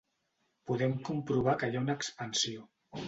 Podem comprovar que hi ha una expansió.